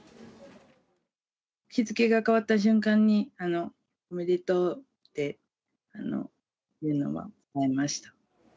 日付が変わった瞬間に、おめでとうっていうのは思いました。